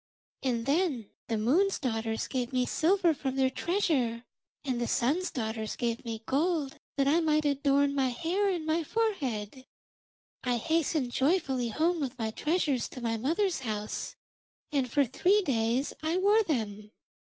And then the Moon's daughters gave me silver from their treasure, and the Sun's daughters gave me gold that I might adorn my hair and forehead. I hastened joyfully home with my treasures to my mother's house, and for three days I wore them.